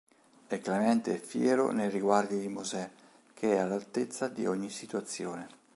È clemente e fiero nei riguardi di Mosè, che è all'altezza di ogni situazione.